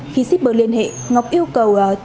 khi shipper liên hệ ngọc yêu cầu